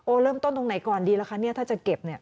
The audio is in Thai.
เริ่มต้นตรงไหนก่อนดีล่ะคะเนี่ยถ้าจะเก็บเนี่ย